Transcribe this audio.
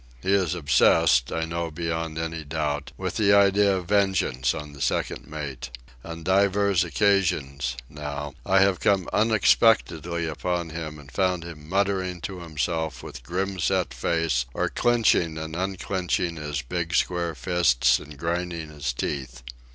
He is obsessed, I know beyond any doubt, with the idea of vengeance on the second mate. On divers occasions, now, I have come unexpectedly upon him and found him muttering to himself with grim set face, or clenching and unclenching his big square fists and grinding his teeth.